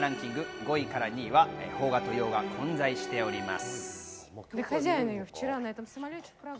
５位から２位は邦画、洋画、混在しております。